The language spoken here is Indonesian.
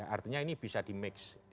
artinya ini bisa di mix